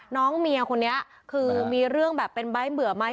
น้องเมียคนนี้คือมีเรื่องแบบเป็นใบ้เบื่อไหม